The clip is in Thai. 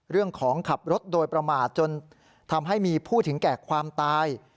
เรื่องของขับรถโดยประมาทจนทำให้มีผู้ถึงแก่ความตาย